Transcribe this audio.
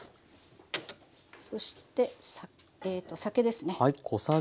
そして酒ですね。